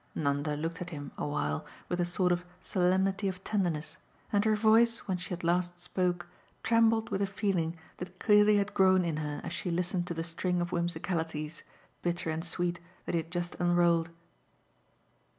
Nanda looked at him a while with a sort of solemnity of tenderness, and her voice, when she at last spoke, trembled with a feeling that clearly had grown in her as she listened to the string of whimsicalities, bitter and sweet, that he had just unrolled.